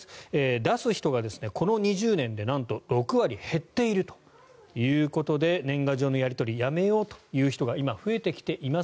出す人が、この２０年でなんと６割減っているということで年賀状のやり取りやめようという人が今増えてきています。